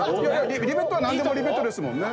リベットは何でもリベットですもんね。